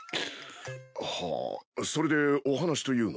はあそれでお話というのは？